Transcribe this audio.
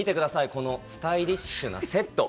このスタイリッシュなセット。